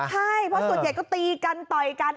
ใช่เพราะส่วนใหญ่ก็ตีกันต่อยกัน